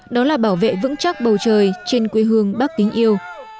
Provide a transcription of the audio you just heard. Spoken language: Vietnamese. đó là bảo vệ vững chắc bầu trời trên quê hương bác kính yêu